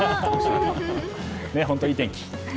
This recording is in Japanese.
本当にいい天気。